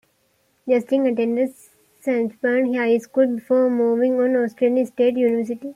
Justin attended Schaumburg High School, before moving on to Arizona State University.